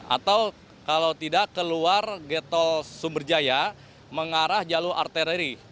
atau kalau tidak keluar getol sumberjaya mengarah jalur arteri